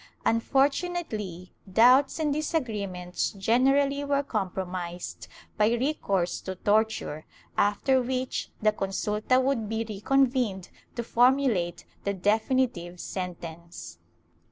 Unfortunately, doubts and disagreements generally were com promised by recourse to torture, after which the consulta would be reconvened to formulate the definitive sentence.